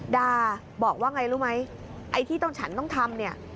ดาบอกว่าไงรู้ไหมไอ้ที่ฉันต้องทำ